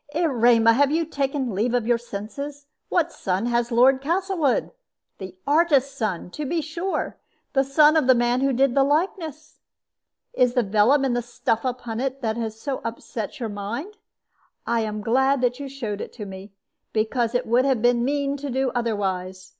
"Erema, have you taken leave of your senses? What son has Lord Castlewood? The artist's son, to be sure; the son of the man who did the likeness. Is it the vellum and the stuff upon it that has so upset your mind? I am glad that you showed it to me, because it would have been mean to do otherwise.